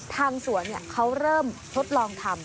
ทางสวนเขาเริ่มทดลองทำ